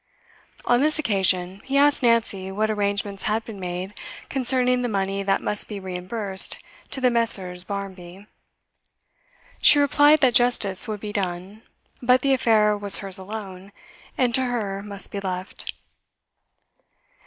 On this occasion he asked Nancy what arrangements had been made concerning the money that must be reimbursed to the Messrs Barmby; she replied that justice would be done, but the affair was hers alone, and to her must be left.